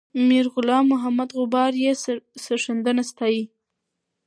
میرغلام محمد غبار یې سرښندنه ستایي.